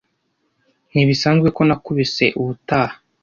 ntibisanzwe ko nakubise ubutaha